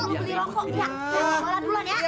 seperti begini kan